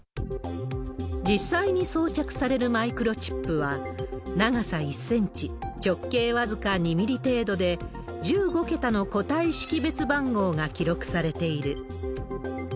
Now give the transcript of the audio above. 実際に装着されるマイクロチップは、長さ１センチ、直径僅か２ミリ程度で、１５桁の個体識別番号が記録されている。